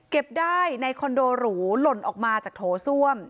ได้ในคอนโดหรูหล่นออกมาจากโถส้วม